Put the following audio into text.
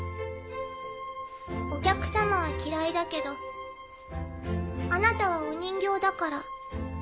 お客様は嫌いだけどあなたはお人形だから。